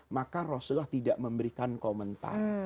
maka rasulullah tidak memberikan komentar